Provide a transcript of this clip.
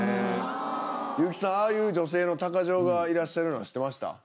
優木さんああいう女性の鷹匠がいらっしゃるのは知ってました？